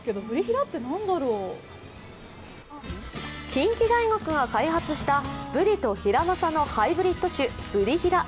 近畿大学が開発したブリとヒラマサのハイブリッド種・ブリヒラ。